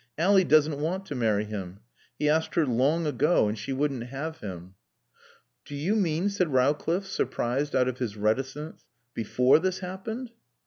Ally doesn't want to marry him. He asked her long ago and she wouldn't have him." "Do you mean," said Rowcliffe, surprised out of his reticence, "before this happened?"